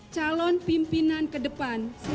calon pimpinan ke depan